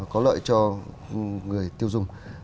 có lợi cho người tiêu dùng